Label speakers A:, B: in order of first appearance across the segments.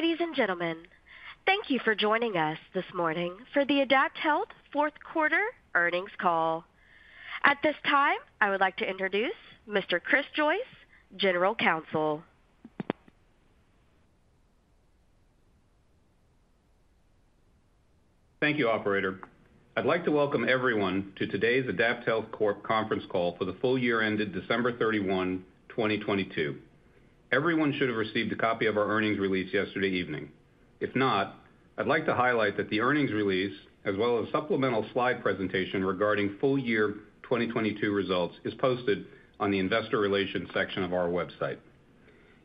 A: Ladies and gentlemen, thank you for joining us this morning for the AdaptHealth fourth quarter earnings call. At this time, I would like to introduce Mr. Chris Joyce, General Counsel.
B: Thank you, operator. I'd like to welcome everyone to today's AdaptHealth Corp. conference call for the full year ended December 31, 2022. Everyone should have received a copy of our earnings release yesterday evening. If not, I'd like to highlight that the earnings release, as well as supplemental slide presentation regarding full year 2022 results, is posted on the investor relations section of our website.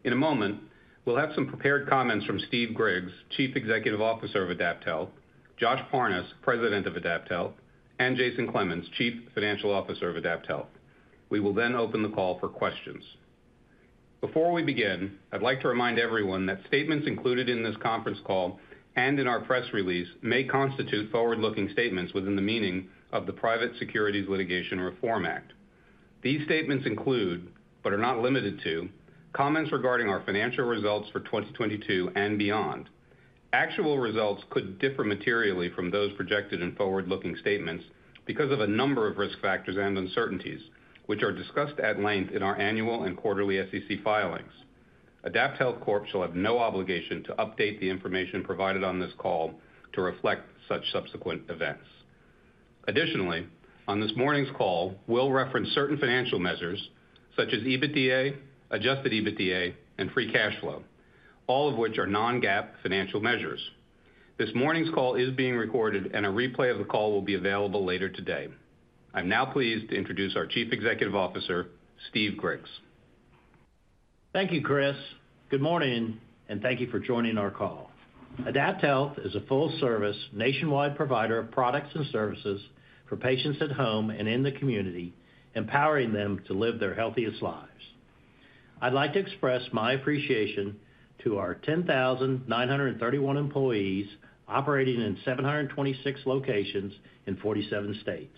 B: In a moment, we'll have some prepared comments from Steve Griggs, Chief Executive Officer of AdaptHealth, Josh Parnes, President of AdaptHealth, and Jason Clemens, Chief Financial Officer of AdaptHealth. We will then open the call for questions. Before we begin, I'd like to remind everyone that statements included in this conference call and in our press release may constitute forward-looking statements within the meaning of the Private Securities Litigation Reform Act. These statements include, but are not limited to, comments regarding our financial results for 2022 and beyond. Actual results could differ materially from those projected in forward-looking statements because of a number of risk factors and uncertainties, which are discussed at length in our annual and quarterly SEC filings. AdaptHealth Corp. shall have no obligation to update the information provided on this call to reflect such subsequent events. Additionally, on this morning's call, we'll reference certain financial measures such as EBITDA, adjusted EBITDA, and free cash flow, all of which are non-GAAP financial measures. This morning's call is being recorded, and a replay of the call will be available later today. I'm now pleased to introduce our Chief Executive Officer, Steve Griggs.
C: Thank you, Chris. Good morning, and thank you for joining our call. AdaptHealth is a full-service nationwide provider of products and services for patients at home and in the community, empowering them to live their healthiest lives. I'd like to express my appreciation to our 10,931 employees operating in 726 locations in 47 states,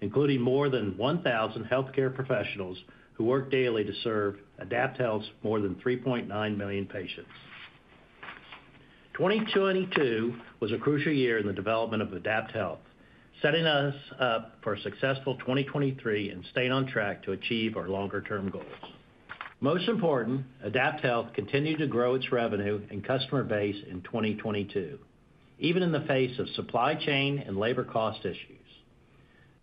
C: including more than 1,000 healthcare professionals who work daily to serve AdaptHealth's more than 3.9 million patients. 2022 was a crucial year in the development of AdaptHealth, setting us up for a successful 2023 and staying on track to achieve our longer-term goals. Most important, AdaptHealth continued to grow its revenue and customer base in 2022, even in the face of supply chain and labor cost issues.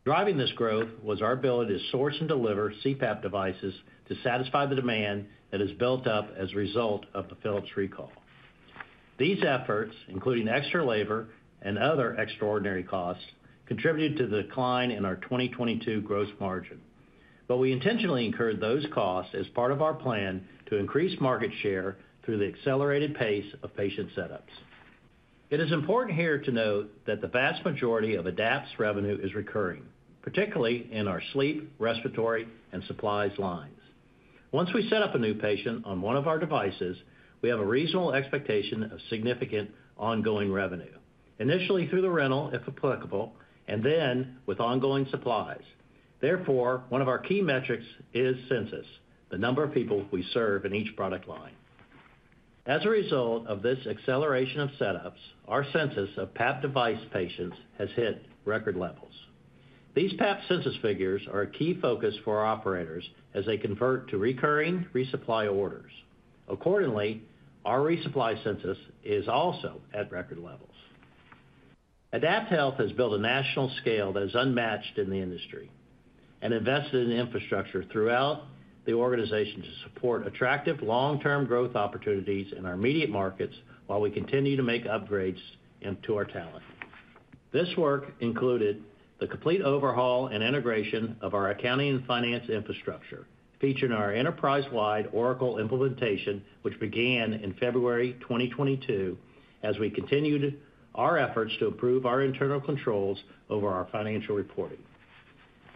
C: Driving this growth was our ability to source and deliver CPAP devices to satisfy the demand that has built up as a result of the Philips recall. These efforts, including extra labor and other extraordinary costs, contributed to the decline in our 2022 gross margin. We intentionally incurred those costs as part of our plan to increase market share through the accelerated pace of patient setups. It is important here to note that the vast majority of Adapt's revenue is recurring, particularly in our sleep, respiratory, and supplies lines. Once we set up a new patient on one of our devices, we have a reasonable expectation of significant ongoing revenue, initially through the rental, if applicable, and then with ongoing supplies. One of our key metrics is census, the number of people we serve in each product line. As a result of this acceleration of setups, our census of PAP device patients has hit record levels. These PAP census figures are a key focus for our operators as they convert to recurring resupply orders. Accordingly, our resupply census is also at record levels. AdaptHealth has built a national scale that is unmatched in the industry and invested in infrastructure throughout the organization to support attractive long-term growth opportunities in our immediate markets while we continue to make upgrades into our talent. This work included the complete overhaul and integration of our accounting and finance infrastructure, featuring our enterprise-wide Oracle implementation, which began in February 2022, as we continued our efforts to improve our internal controls over our financial reporting.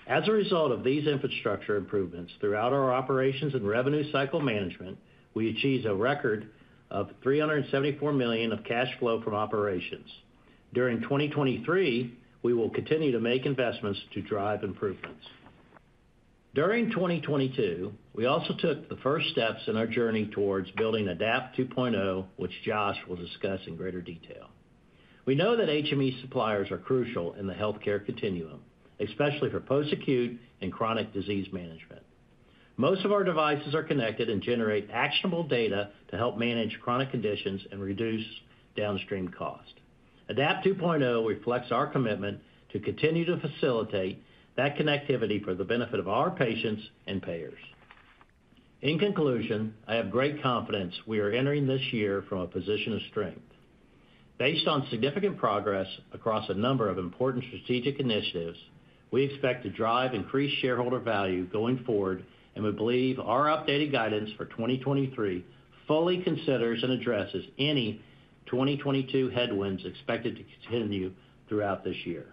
C: As a result of these infrastructure improvements throughout our operations and revenue cycle management, we achieved a record of $374 million of cash flow from operations. During 2023, we will continue to make investments to drive improvements. During 2022, we also took the first steps in our journey towards building Adapt 2.0, which Josh will discuss in greater detail. We know that HME suppliers are crucial in the healthcare continuum, especially for post-acute and chronic disease management. Most of our devices are connected and generate actionable data to help manage chronic conditions and reduce downstream cost. Adapt 2.0 reflects our commitment to continue to facilitate that connectivity for the benefit of our patients and payers. In conclusion, I have great confidence we are entering this year from a position of strength. Based on significant progress across a number of important strategic initiatives, we expect to drive increased shareholder value going forward. We believe our updated guidance for 2023 fully considers and addresses any 2022 headwinds expected to continue throughout this year.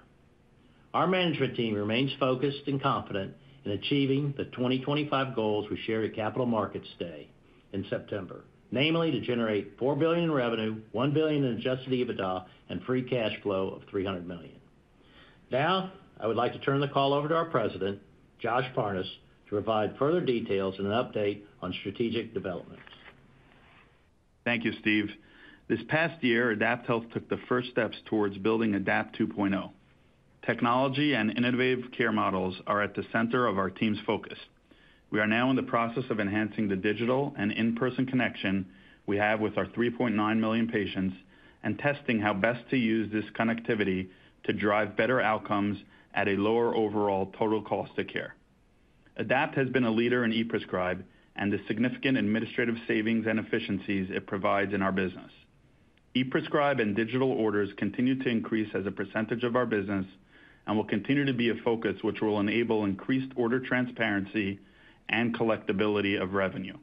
C: Our management team remains focused and confident in achieving the 2025 goals we shared at Capital Markets Day in September. Namely, to generate $4 billion in revenue, $1 billion in adjusted EBITDA, and free cash flow of $300 million. I would like to turn the call over to our President, Josh Parnes, to provide further details and an update on strategic developments.
D: Thank you, Steve. This past year, AdaptHealth took the first steps towards building Adapt 2.0. Technology and innovative care models are at the center of our team's focus. We are now in the process of enhancing the digital and in-person connection we have with our 3.9 million patients, and testing how best to use this connectivity to drive better outcomes at a lower overall total cost of care. AdaptHealth has been a leader in ePrescribe and the significant administrative savings and efficiencies it provides in our business. ePrescribe and Digital Orders continue to increase as a percentage of our business, and will continue to be a focus which will enable increased order transparency and collectibility of revenue.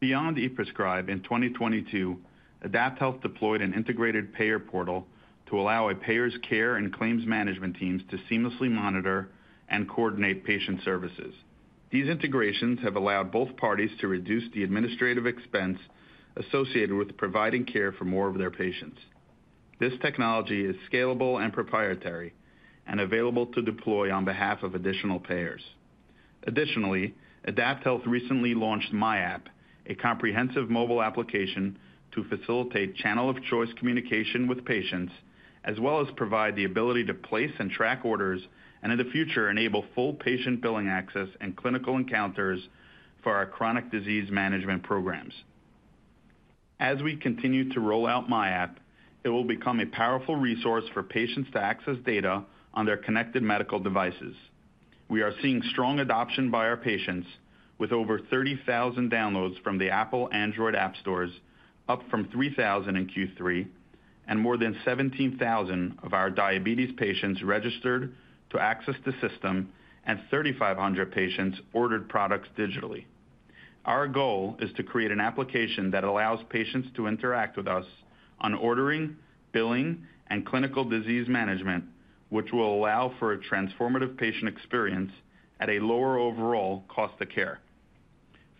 D: Beyond ePrescribe, in 2022, AdaptHealth deployed an integrated payer portal to allow a payer's care and claims management teams to seamlessly monitor and coordinate patient services. These integrations have allowed both parties to reduce the administrative expense associated with providing care for more of their patients. This technology is scalable and proprietary, available to deploy on behalf of additional payers. Additionally, AdaptHealth recently launched myAPP, a comprehensive mobile application to facilitate channel of choice communication with patients, as well as provide the ability to place and track orders, and in the future, enable full patient billing access and clinical encounters for our chronic disease management programs. As we continue to roll out myAPP, it will become a powerful resource for patients to access data on their connected medical devices. We are seeing strong adoption by our patients, with over 30,000 downloads from the Apple Android app stores, up from 3,000 in Q3, and more than 17,000 of our diabetes patients registered to access the system, and 3,500 patients ordered products digitally. Our goal is to create an application that allows patients to interact with us on ordering, billing, and clinical disease management, which will allow for a transformative patient experience at a lower overall cost of care.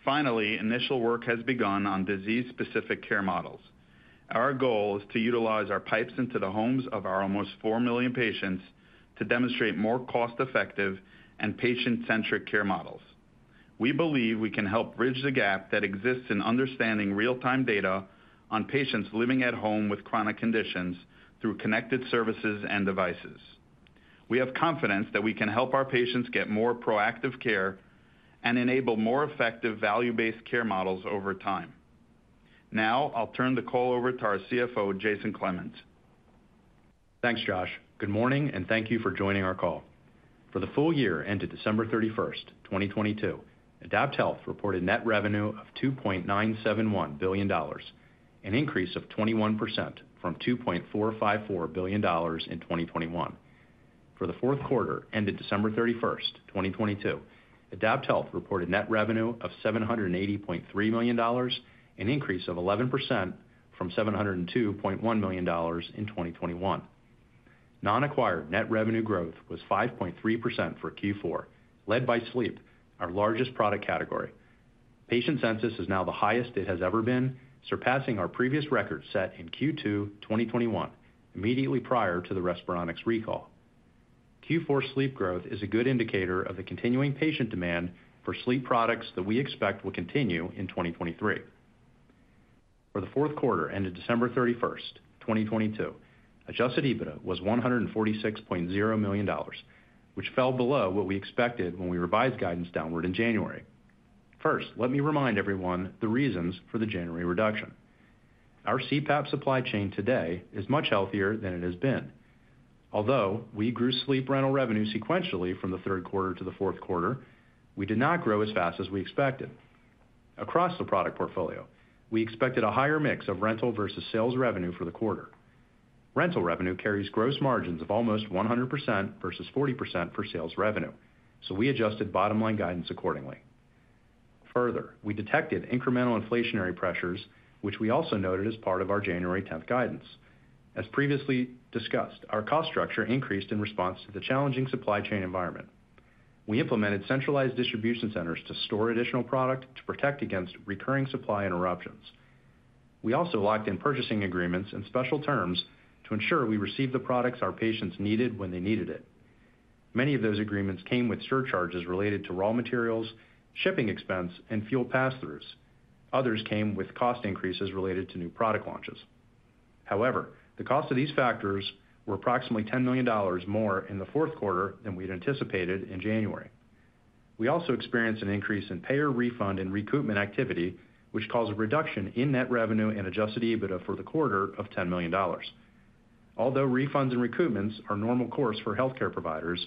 D: Finally, initial work has begun on disease-specific care models. Our goal is to utilize our pipes into the homes of our almost 4 million patients to demonstrate more cost-effective and patient-centric care models. We believe we can help bridge the gap that exists in understanding real-time data on patients living at home with chronic conditions through connected services and devices. We have confidence that we can help our patients get more proactive care and enable more effective value-based care models over time. I'll turn the call over to our CFO, Jason Clemens.
E: Thanks, Josh. Good morning, and thank you for joining our call. For the full year ended December 31st, 2022, AdaptHealth reported net revenue of $2.971 billion, an increase of 21% from $2.454 billion in 2021. For the fourth quarter ended December 31st, 2022, AdaptHealth reported net revenue of $780.3 million, an increase of 11% from $702.1 million in 2021. Non-acquired net revenue growth was 5.3% for Q4, led by sleep, our largest product category. Patient census is now the highest it has ever been, surpassing our previous record set in Q2 2021, immediately prior to the Respironics recall. Q4 sleep growth is a good indicator of the continuing patient demand for sleep products that we expect will continue in 2023. For the Q4 ended December 31st, 2022, adjusted EBITDA was $146.0 million, which fell below what we expected when we revised guidance downward in January. First, let me remind everyone the reasons for the January reduction. Our CPAP supply chain today is much healthier than it has been. Although we grew sleep rental revenue sequentially from the Q3 to the Q4, we did not grow as fast as we expected. Across the product portfolio, we expected a higher mix of rental versus sales revenue for the quarter. Rental revenue carries gross margins of almost 100% versus 40% for sales revenue, so we adjusted bottom-line guidance accordingly. We detected incremental inflationary pressures, which we also noted as part of our January 10th guidance. As previously discussed, our cost structure increased in response to the challenging supply chain environment. We implemented centralized distribution centers to store additional product to protect against recurring supply interruptions. We also locked in purchasing agreements and special terms to ensure we received the products our patients needed when they needed it. Many of those agreements came with surcharges related to raw materials, shipping expense, and fuel pass-throughs. Others came with cost increases related to new product launches. The cost of these factors were approximately $10 million more in the fourth quarter than we had anticipated in January. We also experienced an increase in payer refund and recoupment activity, which caused a reduction in net revenue and adjusted EBITDA for the quarter of $10 million. Refunds and recoupments are normal course for healthcare providers,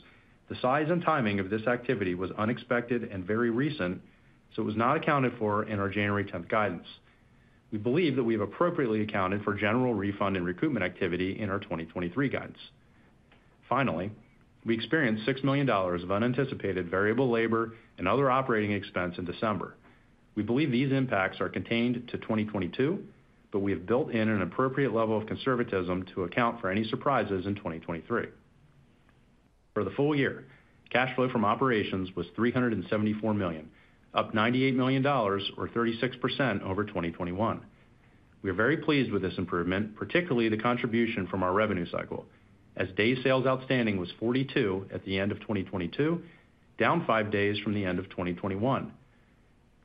E: the size and timing of this activity was unexpected and very recent. It was not accounted for in our January 10th guidance. We believe that we have appropriately accounted for general refund and recoupment activity in our 2023 guidance. Finally, we experienced $6 million of unanticipated variable labor and other operating expense in December. We believe these impacts are contained to 2022. We have built in an appropriate level of conservatism to account for any surprises in 2023. For the full year, cash flow from operations was $374 million, up $98 million or 36% over 2021. We are very pleased with this improvement, particularly the contribution from our revenue cycle, as day sales outstanding was 42 at the end of 2022, down five days from the end of 2021.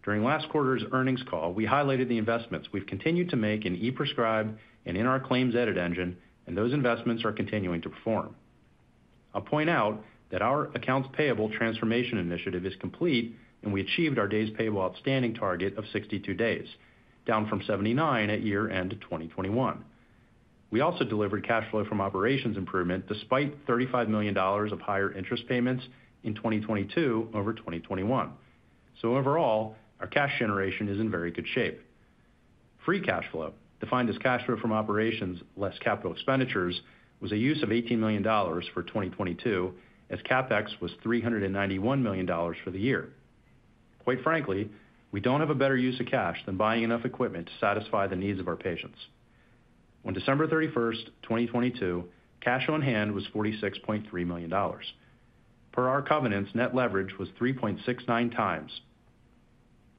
E: During last quarter's earnings call, we highlighted the investments we've continued to make in ePrescribe and in our claims edit engine, and those investments are continuing to perform. I'll point out that our accounts payable transformation initiative is complete. We achieved our days payable outstanding target of 62 days, down from 79 at year-end 2021. We also delivered cash flow from operations improvement despite $35 million of higher interest payments in 2022 over 2021. Overall, our cash generation is in very good shape. Free cash flow, defined as cash flow from operations less capital expenditures, was a use of $18 million for 2022, as CapEx was $391 million for the year. Quite frankly, we don't have a better use of cash than buying enough equipment to satisfy the needs of our patients. On December 31st, 2022, cash on hand was $46.3 million. Per our covenants, net leverage was 3.69x.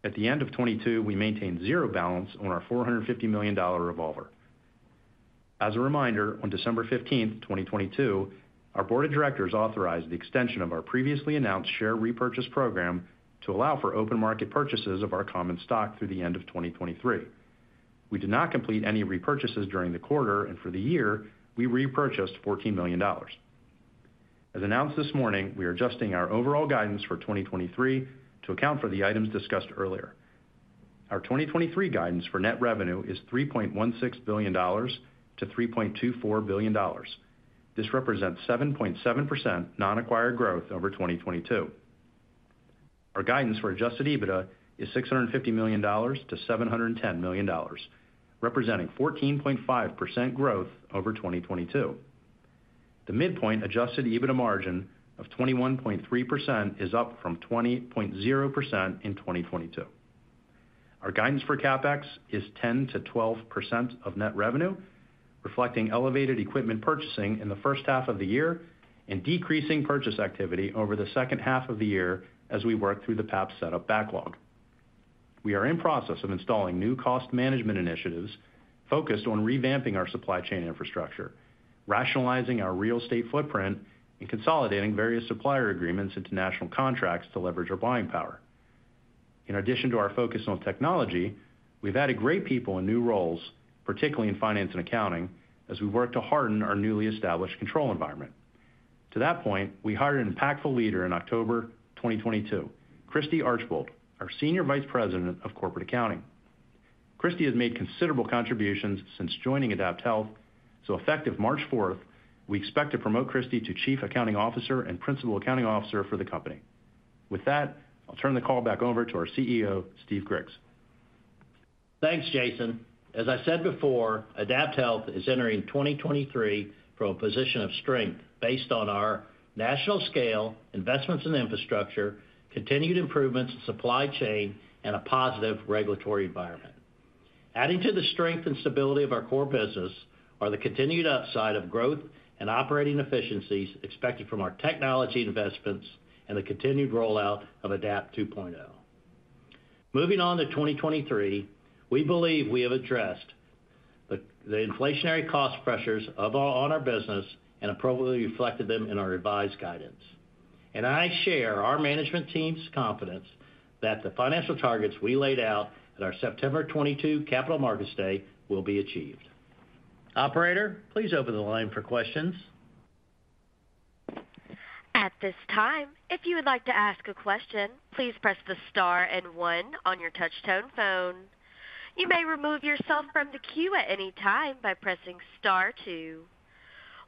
E: At the end of 2022, we maintained zero balance on our $450 million revolver. As a reminder, on December 15th, 2022, our board of directors authorized the extension of our previously announced share repurchase program to allow for open market purchases of our common stock through the end of 2023. We did not complete any repurchases during the quarter, and for the year, we repurchased $14 million. As announced this morning, we are adjusting our overall guidance for 2023 to account for the items discussed earlier. Our 2023 guidance for net revenue is $3.16 billion-$3.24 billion. This represents 7.7% non-acquired growth over 2022. Our guidance for adjusted EBITDA is $650 million-$710 million, representing 14.5% growth over 2022. The midpoint adjusted EBITDA margin of 21.3% is up from 20.0% in 2022. Our guidance for CapEx is 10%-12% of net revenue, reflecting elevated equipment purchasing in the first half of the year and decreasing purchase activity over the second half of the year as we work through the PAP setup backlog. We are in process of installing new cost management initiatives focused on revamping our supply chain infrastructure, rationalizing our real estate footprint, and consolidating various supplier agreements into national contracts to leverage our buying power. In addition to our focus on technology, we've added great people in new roles, particularly in finance and accounting, as we work to harden our newly established control environment. To that point, we hired an impactful leader in October 2022, Christy Archbold, our Senior Vice President of Corporate Accounting. Christy has made considerable contributions since joining AdaptHealth, so effective March fourth, we expect to promote Christy to Chief Accounting Officer and Principal Accounting Officer for the company. With that, I'll turn the call back over to our CEO, Steve Griggs.
C: Thanks, Jason. As I said before, AdaptHealth is entering 2023 from a position of strength based on our national scale, investments in infrastructure, continued improvements in supply chain, and a positive regulatory environment. Adding to the strength and stability of our core business are the continued upside of growth and operating efficiencies expected from our technology investments and the continued rollout of Adapt 2.0. Moving on to 2023, we believe we have addressed the inflationary cost pressures on our business and appropriately reflected them in our revised guidance. I share our management team's confidence that the financial targets we laid out at our September 2022 Capital Markets Day will be achieved. Operator, please open the line for questions.
A: At this time, if you would like to ask a question, please press the star and one on your touch tone phone. You may remove yourself from the queue at any time by pressing star two.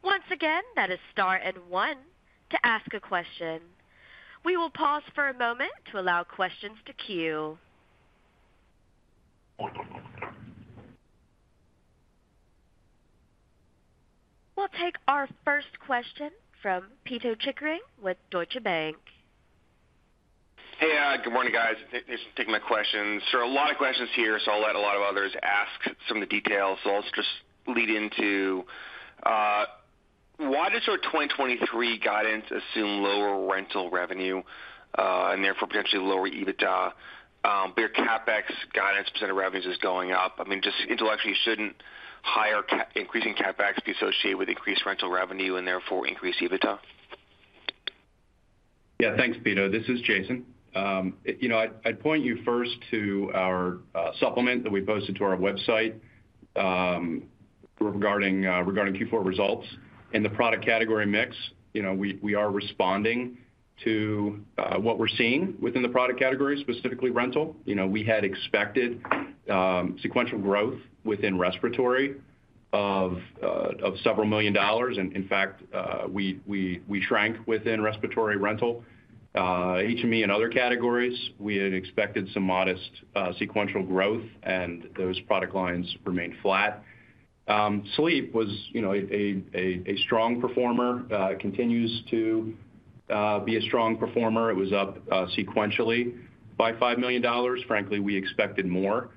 A: Once again, that is star and one to ask a question. We will pause for a moment to allow questions to queue. We'll take our first question from Pito Chickering with Deutsche Bank.
F: Hey, good morning, guys. Thanks for taking my questions. There are a lot of questions here, so I'll let a lot of others ask some of the details. I'll just lead into, why does your 2023 guidance assume lower rental revenue, and therefore potentially lower EBITDA, but your CapEx guidance percent of revenues is going up? I mean, just intellectually, shouldn't increasing CapEx be associated with increased rental revenue and therefore increased EBITDA?
E: Yeah. Thanks, Pito. This is Jason. You know, I'd point you first to our supplement that we posted to our website regarding Q4 results and the product category mix. You know, we are responding to what we're seeing within the product category, specifically rental. You know, we had expected sequential growth within respiratory of several million dollars. In fact, we shrank within respiratory rental. HME and other categories, we had expected some modest sequential growth. Those product lines remained flat. Sleep was, you know, a strong performer, continues to be a strong performer. It was up sequentially by $5 million. Frankly, we expected more.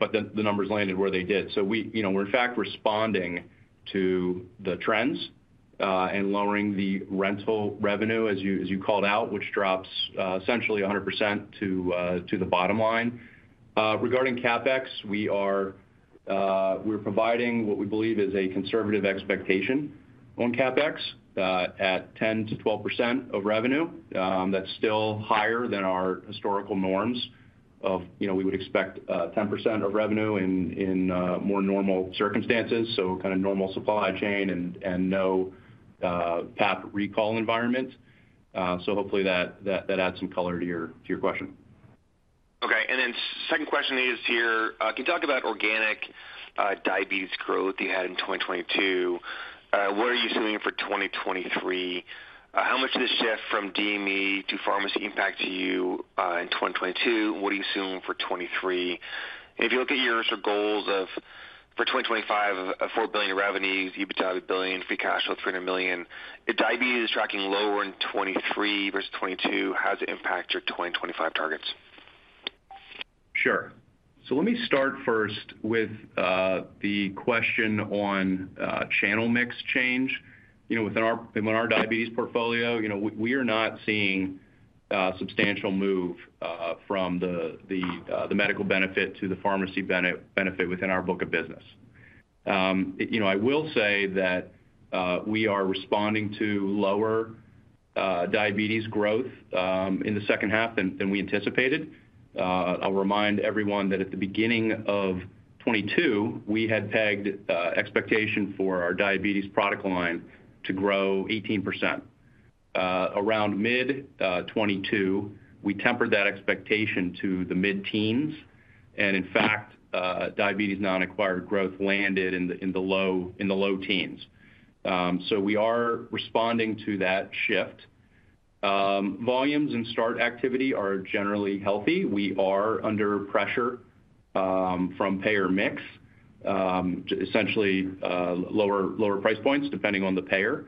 E: The numbers landed where they did. We, you know, we're in fact responding to the trends, and lowering the rental revenue as you, as you called out, which drops essentially 100% to the bottom line. Regarding CapEx, we are, we're providing what we believe is a conservative expectation on CapEx, at 10%-12% of revenue. That's still higher than our historical norms of, you know, we would expect 10% of revenue in, more normal circumstances, so kind of normal supply chain and no, PAP recall environment. Hopefully that adds some color to your, to your question.
F: Okay. Second question is here. Can you talk about organic diabetes growth you had in 2022? What are you assuming for 2023? How much did this shift from DME to pharmacy impact you in 2022, and what are you assuming for 2023? If you look at your sort of goals for 2025 of $4 billion revenue, EBITDA of $1 billion, free cash flow of $300 million, if diabetes is tracking lower in 2023 versus 2022, how does it impact your 2025 targets?
E: Sure. Let me start first with the question on channel mix change. You know, in our diabetes portfolio, you know, we are not seeing a substantial move from the medical benefit to the pharmacy benefit within our book of business. You know, I will say that we are responding to lower diabetes growth in the second half than we anticipated. I'll remind everyone that at the beginning of 2022, we had pegged expectation for our diabetes product line to grow 18%. Around mid-2022, we tempered that expectation to the mid-teens, and in fact, diabetes non-acquired growth landed in the low teens. We are responding to that shift. Volumes and start activity are generally healthy. We are under pressure from payer mix to essentially lower price points depending on the payer.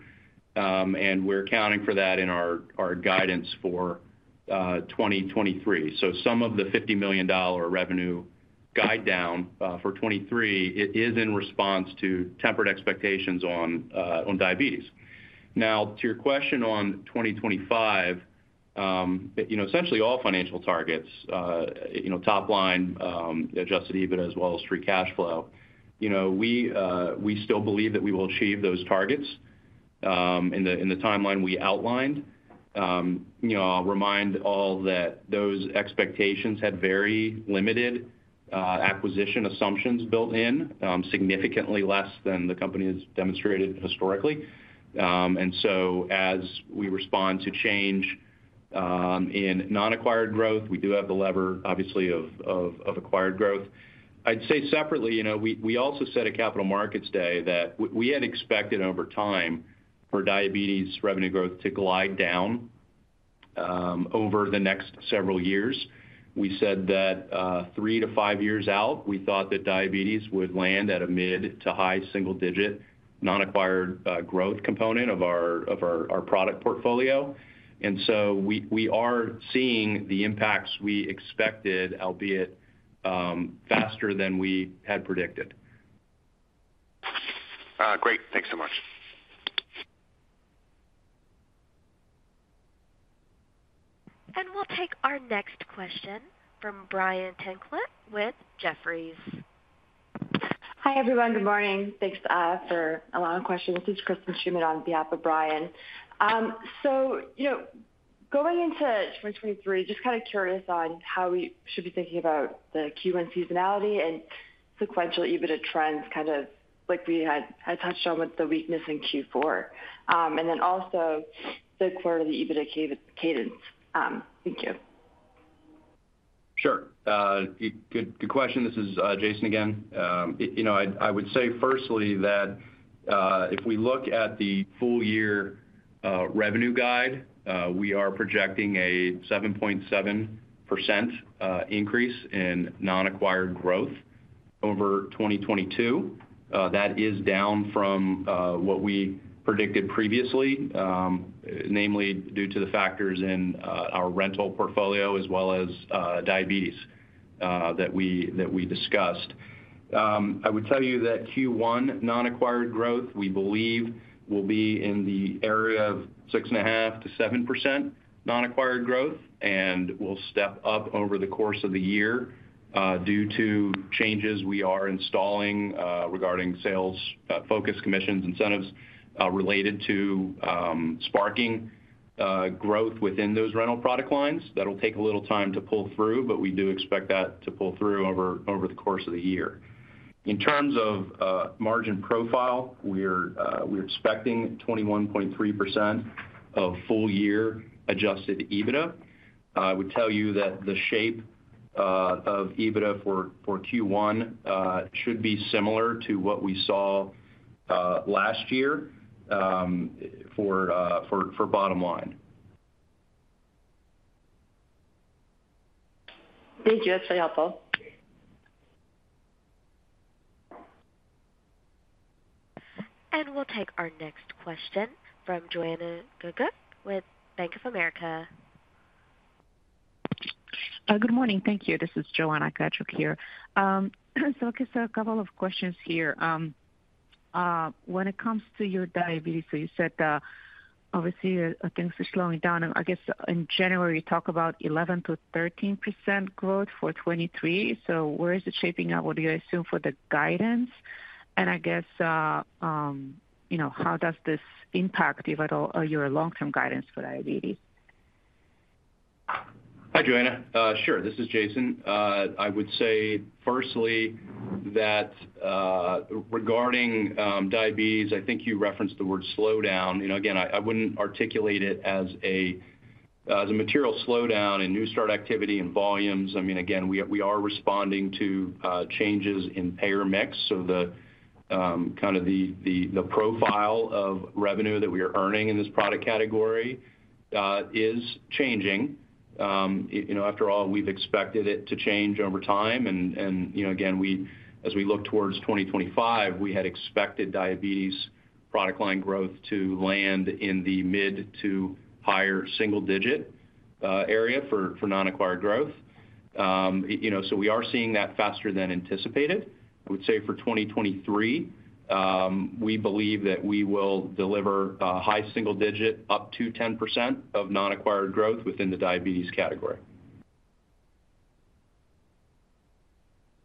E: We're accounting for that in our guidance for 2023. Some of the $50 million revenue guide down for 2023 is in response to tempered expectations on diabetes. To your question on 2025, you know, essentially all financial targets, you know, top line, adjusted EBITDA as well as free cash flow. You know, we still believe that we will achieve those targets in the timeline we outlined. You know, I'll remind all that those expectations had very limited acquisition assumptions built in, significantly less than the company has demonstrated historically. As we respond to change, in non-acquired growth, we do have the lever, obviously, of acquired growth. I'd say separately, you know, we also said at Capital Markets Day that we had expected over time for diabetes revenue growth to glide down over the next several years. We said that three to five years out, we thought that diabetes would land at a mid to high single-digit non-acquired growth component of our product portfolio. We, we are seeing the impacts we expected, albeit, faster than we had predicted.
F: Great. Thanks so much.
A: We'll take our next question from Brian Tanquilut with Jefferies.
G: Hi, everyone. Good morning. Thanks for allowing the question. This is Kristen Shuman on behalf of Brian. You know, going into 2023, just kind of curious on how we should be thinking about the Q1 seasonality and sequential EBITDA trends, kind of like we had touched on with the weakness in Q4. Also the quarter to the EBITDA cadence. Thank you.
E: Sure. Good, good question. This is Jason again. You know, I would say firstly that, if we look at the full year revenue guide, we are projecting a 7.7% increase in non-acquired growth over 2022. That is down from what we predicted previously, namely due to the factors in our rental portfolio as well as diabetes that we discussed. I would tell you that Q1 non-acquired growth, we believe will be in the area of 6.5%-7% non-acquired growth, and will step up over the course of the year due to changes we are installing regarding sales, focus, commissions, incentives, related to sparking growth within those rental product lines. That'll take a little time to pull through, but we do expect that to pull through over the course of the year. In terms of margin profile, we're expecting 21.3% of full-year adjusted EBITDA. I would tell you that the shape of EBITDA for Q1 should be similar to what we saw last year for bottom line.
G: Thank you. It's very helpful.
A: We'll take our next question from Joanna Gajuk with Bank of America.
H: Good morning. Thank you. This is Joanna Gajuk here. I guess a couple of questions here. When it comes to your diabetes, you said, obviously things are slowing down. I guess in January, you talk about 11%-13% growth for 2023. Where is it shaping up? What do you assume for the guidance? I guess, you know, how does this impact, if at all, your long-term guidance for diabetes?
E: Hi, Joanna. Sure. This is Jason. I would say firstly that, regarding diabetes, I think you referenced the word slowdown. You know, again, I wouldn't articulate it as a material slowdown in new start activity and volumes. I mean, again, we are responding to changes in payer mix. The kind of the profile of revenue that we are earning in this product category is changing. You know, after all, we've expected it to change over time. You know, again, as we look towards 2025, we had expected diabetes product line growth to land in the mid to higher single digit area for non-acquired growth. You know, we are seeing that faster than anticipated. I would say for 2023, we believe that we will deliver high single digit, up to 10% of non-acquired growth within the diabetes category.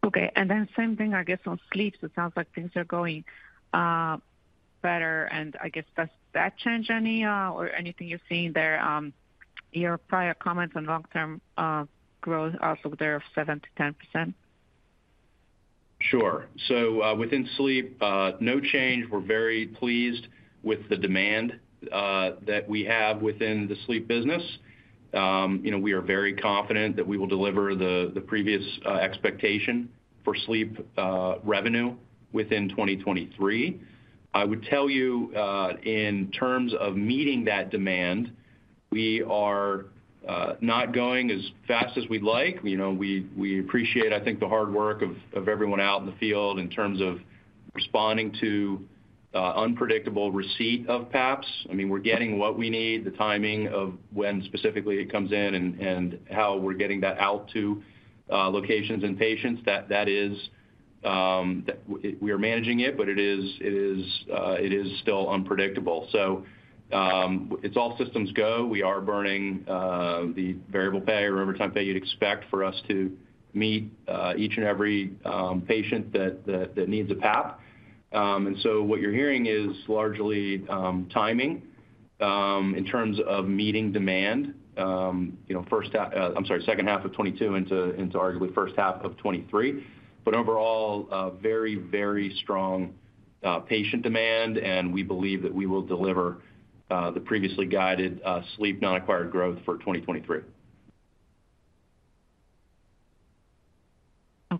H: Okay. Then same thing, I guess, on sleep. It sounds like things are going better, and I guess does that change any or anything you're seeing there, your prior comments on long-term growth outlook there of 7%-10%?
E: Sure. Within sleep, no change. We're very pleased with the demand that we have within the sleep business. You know, we are very confident that we will deliver the previous expectation for sleep revenue within 2023. I would tell you, in terms of meeting that demand, we are not going as fast as we'd like. You know, we appreciate, I think, the hard work of everyone out in the field in terms of responding to unpredictable receipt of PAPs. I mean, we're getting what we need, the timing of when specifically it comes in and how we're getting that out to locations and patients. That is, we are managing it, but it is still unpredictable. It's all systems go. We are burning the variable pay or overtime pay you'd expect for us to meet each and every patient that needs a PAP. What you're hearing is largely timing in terms of meeting demand, you know, I'm sorry, second half of 2022 into arguably first half of 2023. Overall, a very, very strong patient demand, and we believe that we will deliver the previously guided sleep non-acquired growth for 2023.
H: I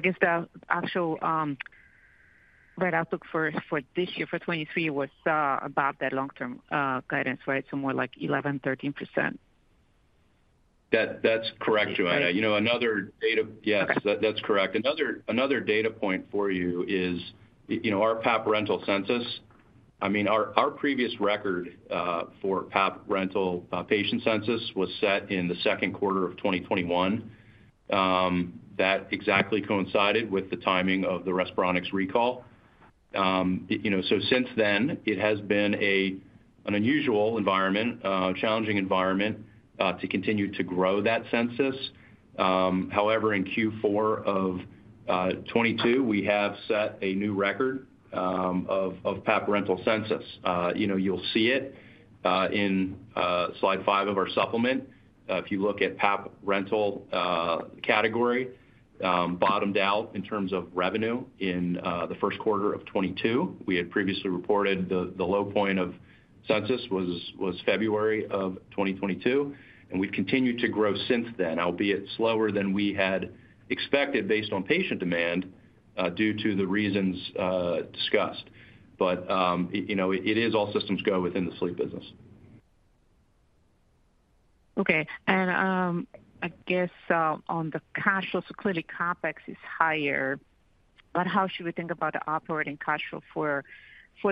H: guess the actual guide outlook for this year, for 2023 was above that long-term guidance, right? More like 11%-13%.
E: That's correct, Joanna.
H: Okay.
E: You know, another data. Yes, that's correct. Another data point for you is, you know, our PAP rental census, I mean, our previous record for PAP rental patient census was set in the second quarter of 2021. That exactly coincided with the timing of the Respironics recall. You know, since then, it has been an unusual environment, challenging environment to continue to grow that census. However, in Q4 of 2022, we have set a new record of PAP rental census. You know, you'll see it in slide five of our supplement. If you look at PAP rental category, bottomed out in terms of revenue in the first quarter of 2022. We had previously reported the low point of census was February of 2022, and we've continued to grow since then, albeit slower than we had expected based on patient demand, due to the reasons discussed. You know, it is all systems go within the sleep business.
H: Okay. I guess on the cash flow, so clearly CapEx is higher, but how should we think about the operating cash flow for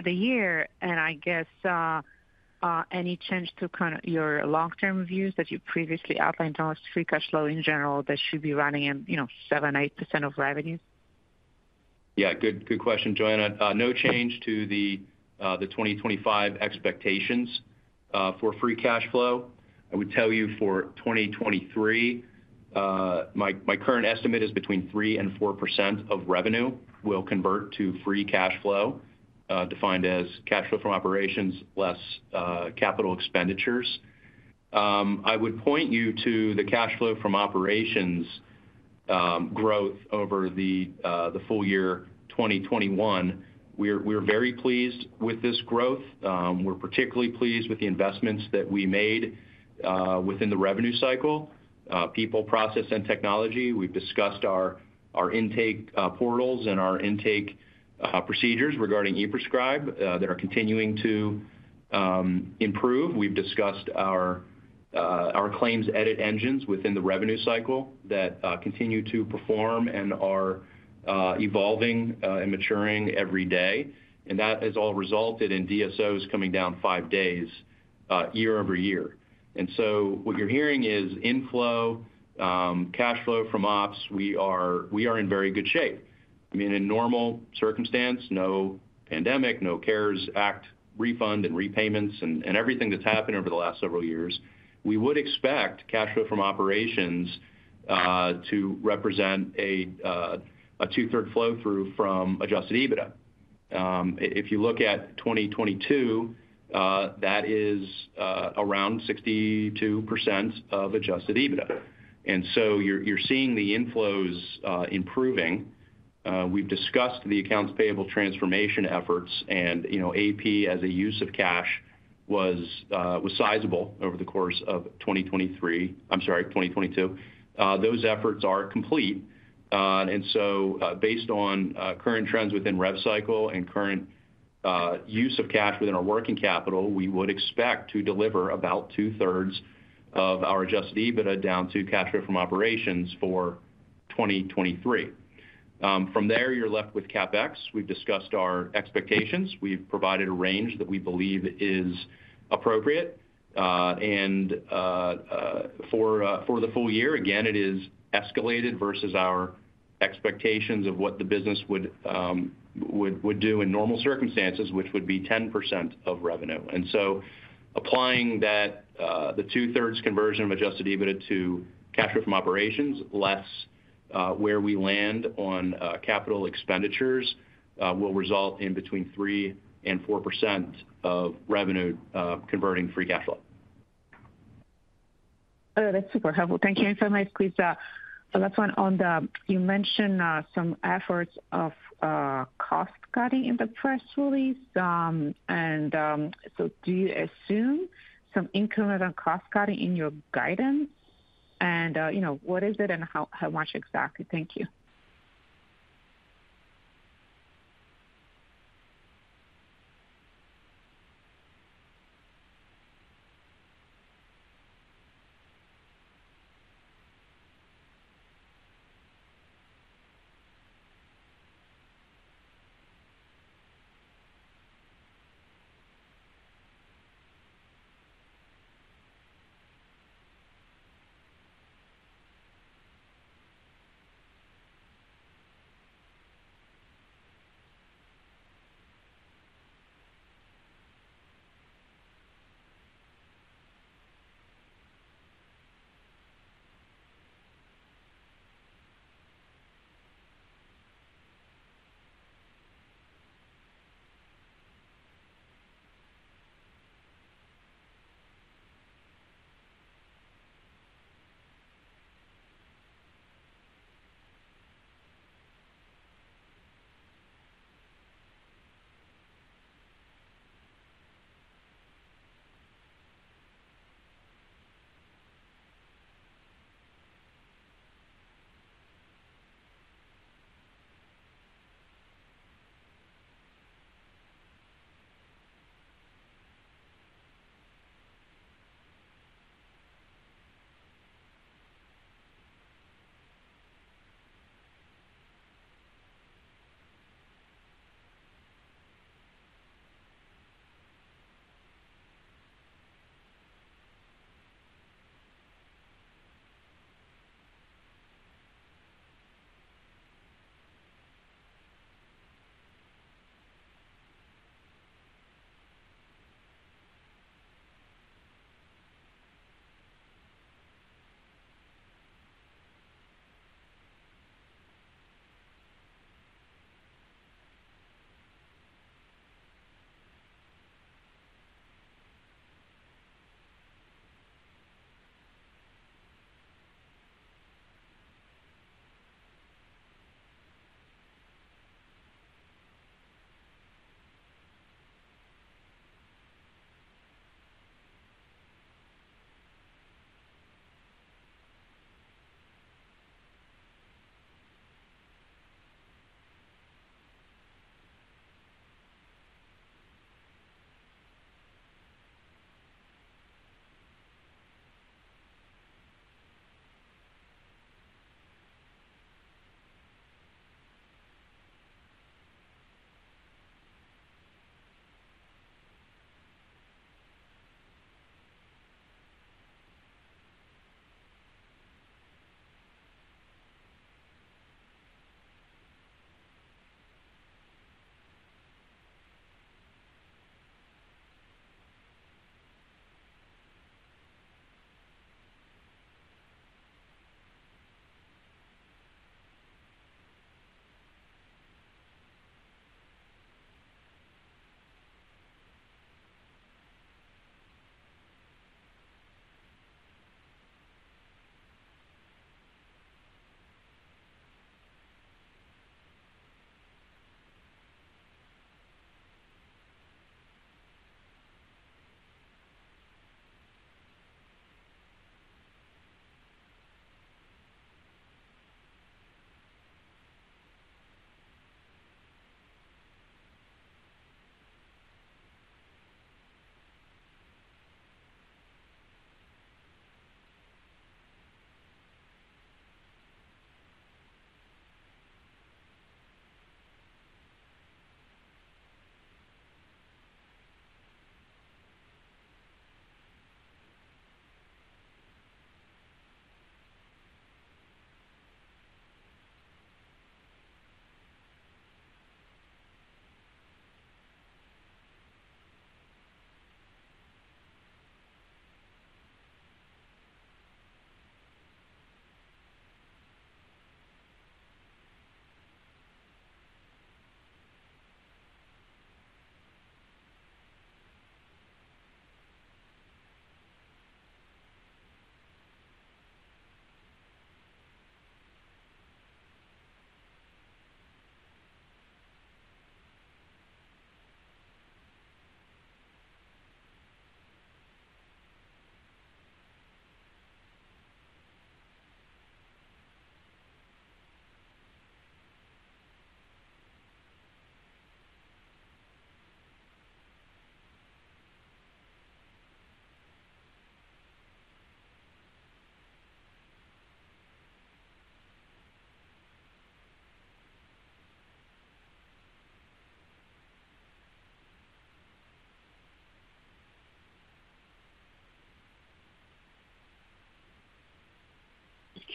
H: the year? I guess any change to kind of your long-term views that you previously outlined on free cash flow in general that should be running in, you know, 7%-8% of revenues?
E: Good question, Joanna. No change to the 2025 expectations for free cash flow. I would tell you for 2023, my current estimate is between 3% and 4% of revenue will convert to free cash flow, defined as cash flow from operations less capital expenditures. I would point you to the cash flow from operations growth over the full year, 2021. We're very pleased with this growth. We're particularly pleased with the investments that we made within the revenue cycle, people, process, and technology. We've discussed our intake portals and our intake procedures regarding ePrescribe that are continuing to improve. We've discussed our claims edit engines within the revenue cycle that continue to perform and are evolving and maturing every day. That has all resulted in DSOs coming down five days year-over-year. What you're hearing is inflow, cash flow from ops. We are in very good shape. I mean, in normal circumstance, no pandemic, no CARES Act refund and repayments and everything that's happened over the last several years, we would expect cash flow from operations to represent a 2/3 flow through from adjusted EBITDA. If you look at 2022, that is around 62% of adjusted EBITDA. You're seeing the inflows improving. We've discussed the accounts payable transformation efforts and, you know, AP as a use of cash was sizable over the course of 2022. Those efforts are complete. Based on current trends within rev cycle and current use of cash within our working capital, we would expect to deliver about 2/3 of our adjusted EBITDA down to cash flow from operations for 2023. From there, you're left with CapEx. We've discussed our expectations. We've provided a range that we believe is appropriate. For the full year, again, it is escalated versus our expectations of what the business would do in normal circumstances, which would be 10% of revenue. Applying that, the two-thirds conversion of adjusted EBITDA to cash flow from operations less, where we land on capital expenditures, will result in between 3% and 4% of revenue converting free cash flow.
H: Oh, that's super helpful. Thank you so much. Please, last one. You mentioned some efforts of cost cutting in the press release. Do you assume some incremental cost cutting in your guidance? You know, what is it and how much exactly? Thank you.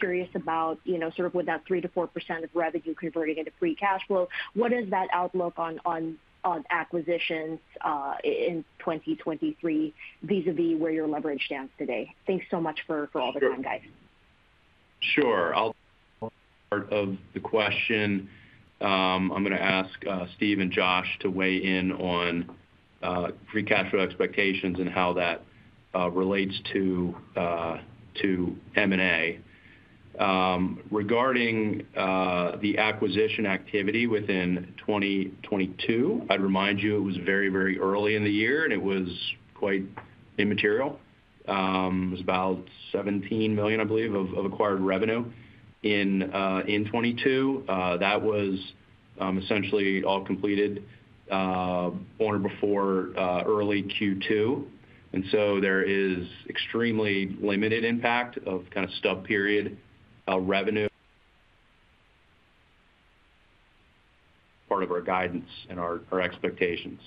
H: Just curious about, you know, sort of with that 3%-4% of revenue converting into free cash flow, what is that outlook on acquisitions, in 2023 vis-a-vis where your leverage stands today? Thanks so much for all the time, guys.
E: Sure. I'll part of the question. I'm gonna ask Steve and Josh to weigh in on free cash flow expectations and how that relates to to M&A. Regarding the acquisition activity within 2022, I'd remind you it was very, very early in the year, and it was quite immaterial. It was about $17 million, I believe, of acquired revenue in 2022. That was essentially all completed on or before early Q2. So there is extremely limited impact of kind of stub period revenue part of our guidance and our expectations.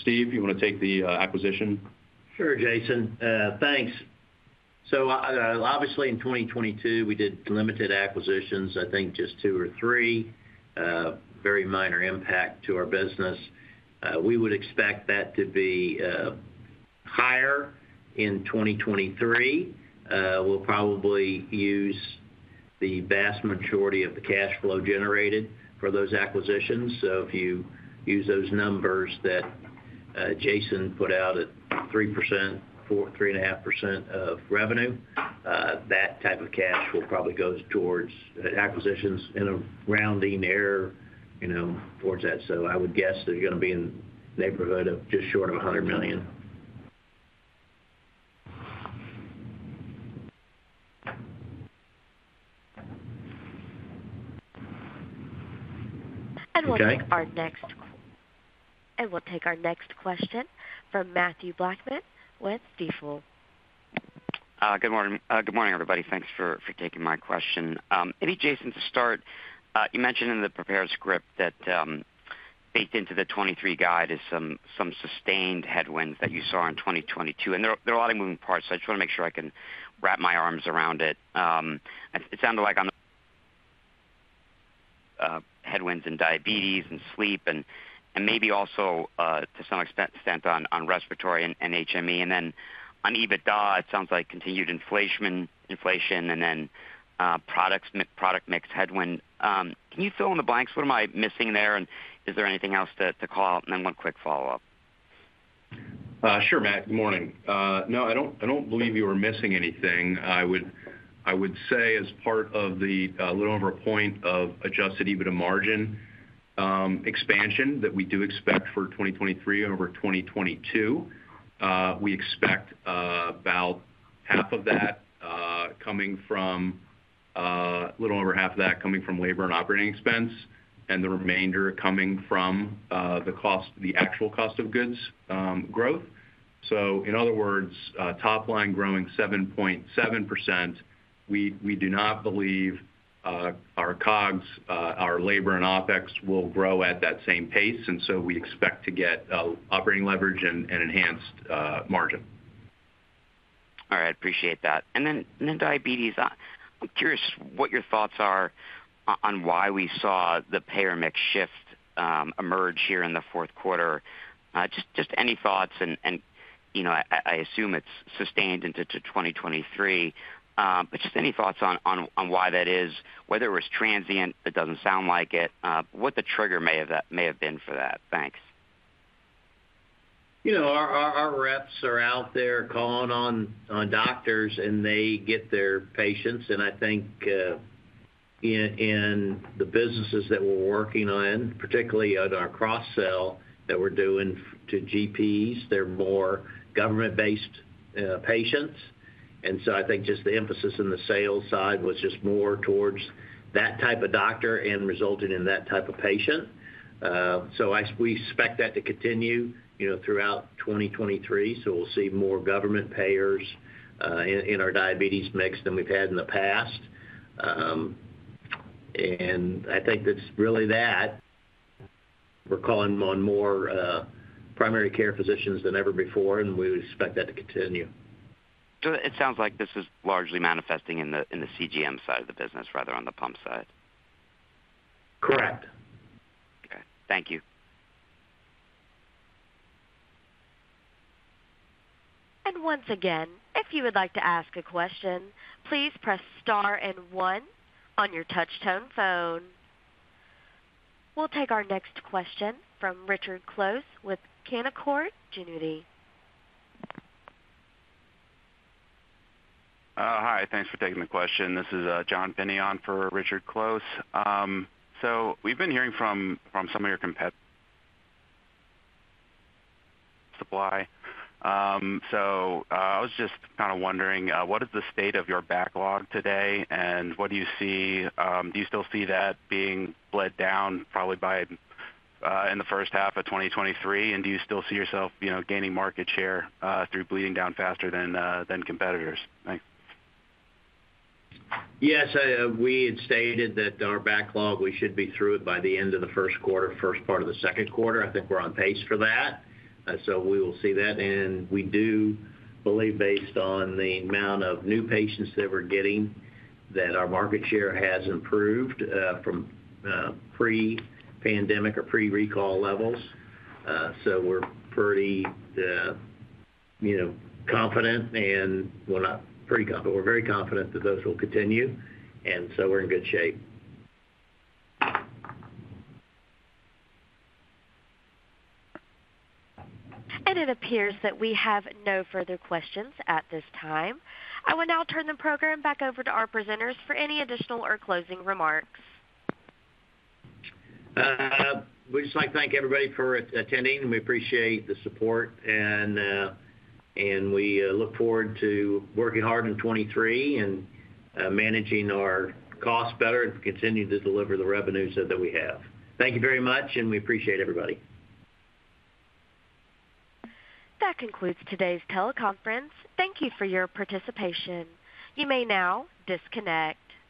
E: Steve, you wanna take the acquisition?
C: Sure, Jason. Thanks. Obviously in 2022, we did limited acquisitions, I think just two or three, very minor impact to our business. We would expect that to be higher in 2023. We'll probably use the vast majority of the cash flow generated for those acquisitions. If you use those numbers that Jason put out at 3%, 3.5% of revenue, that type of cash will probably goes towards acquisitions in a rounding error, you know, towards that. I would guess they're gonna be in the neighborhood of just short of $100 million.
A: We'll take our next question from Mathew Blackman with Stifel.
I: Good morning. Good morning, everybody. Thanks for taking my question. Maybe Jason to start, you mentioned in the prepared script that baked into the 2023 guide is some sustained headwinds that you saw in 2022. There are a lot of moving parts. I just wanna make sure I can wrap my arms around it. It sounded like on the headwinds in diabetes and sleep and maybe also to some extent on respiratory and HME. On EBITDA, it sounds like continued inflation and then product mix headwind. Can you fill in the blanks? What am I missing there? Is there anything else to call out? One quick follow-up.
E: Sure, Mat. Good morning. No, I don't, I don't believe you were missing anything. I would say as part of the little over a point of adjusted EBITDA margin expansion that we do expect for 2023 over 2022, we expect about half of that coming from a little over half of that coming from labor and operating expense, and the remainder coming from the actual cost of goods growth. In other words, top line growing 7.7%, we do not believe our COGS, our labor and OpEx will grow at that same pace, and so we expect to get operating leverage and enhanced margin.
I: All right. Appreciate that. diabetes. I'm curious what your thoughts are on why we saw the payer mix shift emerge here in the fourth quarter. just any thoughts and, you know, I assume it's sustained into 2023. just any thoughts on why that is, whether it was transient, it doesn't sound like it, what the trigger may have been for that. Thanks.
C: You know, our reps are out there calling on doctors, and they get their patients. I think, In the businesses that we're working on, particularly at our cross sell that we're doing to GPs, they're more government-based patients. I think just the emphasis in the sales side was just more towards that type of doctor and resulted in that type of patient. We expect that to continue, you know, throughout 2023. We'll see more government payers in our diabetes mix than we've had in the past. I think it's really that. We're calling on more primary care physicians than ever before, and we would expect that to continue.
I: It sounds like this is largely manifesting in the, in the CGM side of the business rather on the pump side.
C: Correct.
I: Okay, thank you.
A: Once again, if you would like to ask a question, please press star and one on your touch tone phone. We'll take our next question from Richard Close with Canaccord Genuity.
J: Hi, thanks for taking the question. This is John Pinney for Richard Close. We've been hearing from some of your supply. I was just kinda wondering, what is the state of your backlog today, and what do you see... Do you still see that being bled down probably by in the first half of 2023? Do you still see yourself, you know, gaining market share through bleeding down faster than competitors? Thanks.
C: Yes, we had stated that our backlog, we should be through it by the end of the first quarter, first part of the second quarter. I think we're on pace for that. We will see that. We do believe based on the amount of new patients that we're getting, that our market share has improved from pre-pandemic or pre-recall levels. We're pretty, you know, confident and well, but we're very confident that those will continue, we're in good shape.
A: It appears that we have no further questions at this time. I will now turn the program back over to our presenters for any additional or closing remarks.
C: We'd just like to thank everybody for attending, and we appreciate the support. We look forward to working hard in 2023 and managing our costs better and continuing to deliver the revenues that we have. Thank you very much, we appreciate everybody.
A: That concludes today's teleconference. Thank you for your participation. You may now disconnect.